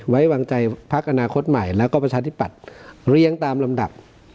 ไว้วางใจพักอนาคตใหม่แล้วก็ประชาธิปัตย์เลี้ยงตามลำดับ